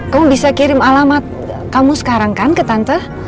kamu bisa kirim alamat kamu sekarang kan ke tante